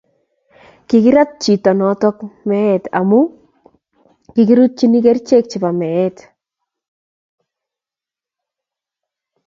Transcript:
kikirat chitok notok meet amu kikirutyi kerichek chepo meet